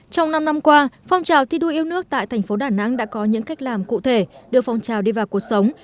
trong năm năm qua phong trào thi đua yêu nước tại thành phố đà nẵng đã có những cách làm cụ thể đưa phong trào đi vào cuộc sống